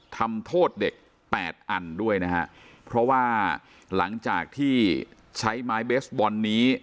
ทำโทษเด็กแปดอันด้วยนะฮะเพราะว่าหลังจากที่ใช้ไม้เบสบอลนี้